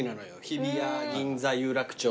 日比谷銀座有楽町